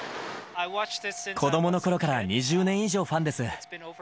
子どものころから２０年以上ファンです。